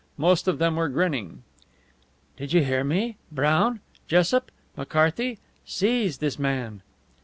Most of them were grinning. "Do you hear me? Brown, Jessup, McCarthy seize this man!"